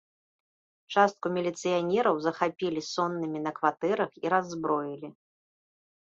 Частку міліцыянераў захапілі соннымі на кватэрах і раззброілі.